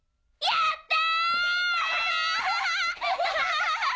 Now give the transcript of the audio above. やった！